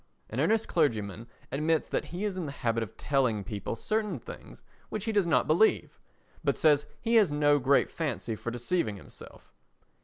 "An Earnest Clergyman" admits that he is in the habit of telling people certain things which he does not believe, but says he has no great fancy for deceiving himself.